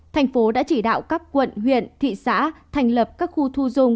thành phố đã chỉ đạo các quận huyện thị xã thành lập các khu thu dung